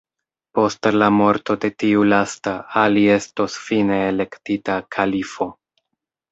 Post la morto de tiu lasta, Ali estos fine elektita kalifo.